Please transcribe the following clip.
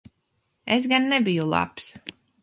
Es gan nebiju labs.